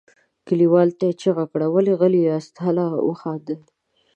کليوالو ته یې چیغه کړه ولې غلي یاست هله وخاندئ.